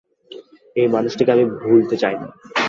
এই মানুষটিকে আমি ভুলতে চাই না।